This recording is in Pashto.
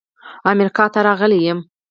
امریکا ته راغلی یم.